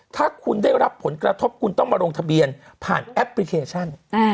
ถ้าคุณได้รับผลกระทบคุณต้องมาลงทะเบียนผ่านแอปพลิเคชัน